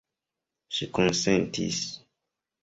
Ŝi konsentis.